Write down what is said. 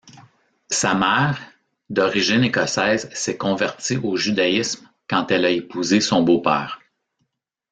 Sa mère, d'origine écossaise, s'est convertie au judaïsme quand elle a épousé son beau-père.